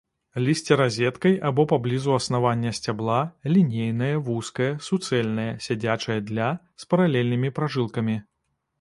Лісце разеткай або паблізу аснавання сцябла, лінейнае, вузкае, суцэльнае, сядзячае для, з паралельнымі пражылкамі.